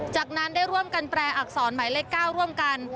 จากนั้นได้ร่วมกันแปลอักษรหมายเลข๙ร่วมกัน